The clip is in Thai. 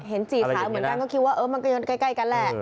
จี่ขาเหมือนกันก็คิดว่ามันก็ยังใกล้กันแหละ